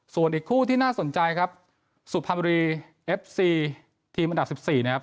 ส่วนอีกคู่ที่น่าสนใจครับสุพรรณบุรีเอฟซีทีมอันดับ๑๔นะครับ